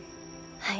はい。